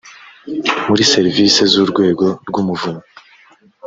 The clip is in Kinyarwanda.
muri serivisi z urwego rw umuvunyi